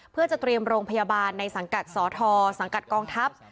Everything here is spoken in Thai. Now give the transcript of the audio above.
เพื่อจะเตรียมโรงพยาบาลในสังกัดสทสังกัดกองทัพ